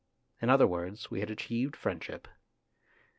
In other words, we had achieved friendship.